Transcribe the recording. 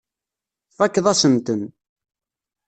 Tfakkeḍ-as-ten.